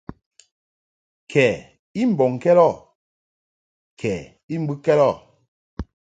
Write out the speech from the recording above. Kɛ i mbɔŋkɛd ɔ kɛ I mbɨkɛd ɔ.